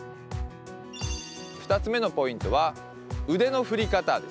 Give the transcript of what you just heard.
２つ目のポイントは、腕の振り方。